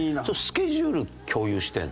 スケジュール共有してるの？